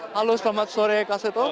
halo selamat sore kak seto